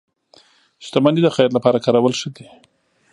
• شتمني د خیر لپاره کارول ښه دي.